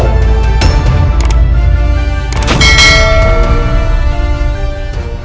dasar kau ulang pembohong